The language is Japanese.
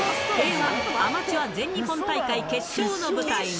１アマチュア全日本大会決勝の舞台に。